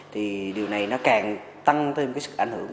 thì điều này nó càng tăng thêm cái sự ảnh hưởng